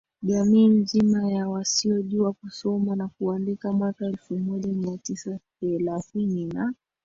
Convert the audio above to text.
jamii Nzima ya wasiojua kusoma na kuandika Mwaka elfu moja mia tisa thelathini na